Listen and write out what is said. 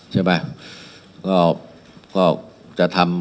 ใช่ไหม